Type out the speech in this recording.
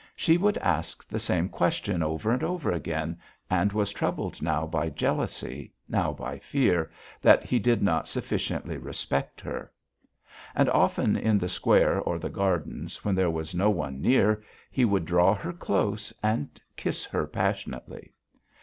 She would ask the same question over and over again, and was troubled now by jealousy, now by fear that he did not sufficiently respect her. And often in the square or the gardens, when there was no one near, he would draw her close and kiss her passionately.